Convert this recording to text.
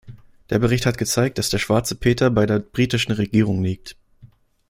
Der Bericht hat gezeigt, dass der schwarze Peter bei der britischen Regierung liegt.